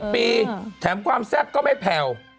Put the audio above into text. ๒๐ปีแถมความแทรกก็ไม่แผ่ว